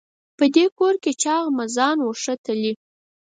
په دې کور کې چاغ مږان وو ښه تلي.